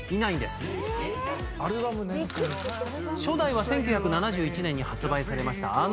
初代は１９７１年に発売されました